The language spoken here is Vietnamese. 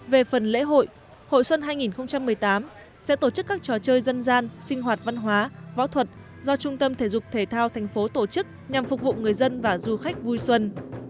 về phần lễ hội hội xuân hai nghìn một mươi tám sẽ tổ chức các trò chơi dân gian sinh hoạt văn hóa võ thuật do trung tâm thể dục thể thao thành phố tổ chức nhằm phục vụ người dân và du khách vui xuân